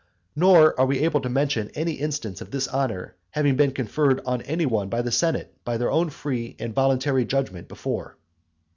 Nor are we able to mention any instance of this honour having been conferred on any one by the senate by their own free and voluntary judgment before.